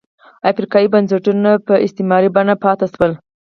افریقايي بنسټونه په استثماري بڼه پاتې شول.